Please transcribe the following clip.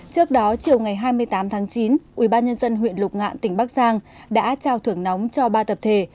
trước đó chiều ngày hai mươi tám tháng chín ubnd huyện lục ngạn tỉnh bắc giang đã trao thưởng nóng cho ba tập thể